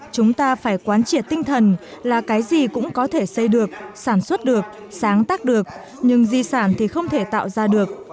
chúng ta phải quán triệt tinh thần là cái gì cũng có thể xây được sản xuất được sáng tác được nhưng di sản thì không thể tạo ra được